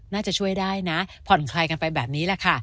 น่าจะช่วยได้นะผ่อนคลายกันไปแบบนี้แหละค่ะ